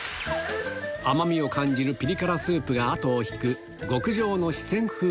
甘みを感じるピリ辛スープが後を引く極上の四川風